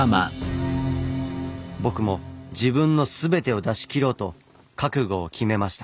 僕も自分の全てを出しきろうと覚悟を決めました。